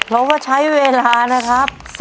เราก็ใช้เวลานะครับ